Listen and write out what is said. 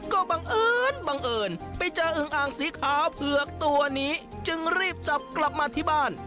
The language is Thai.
ก็บังเอิญบังเอิญไปเจออึงอ่างสีขาวเผือกตัวนี้จึงรีบจับกลับมาที่บ้าน